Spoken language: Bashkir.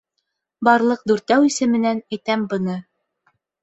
Барлыҡ Дүртәү исеменән әйтәм быны.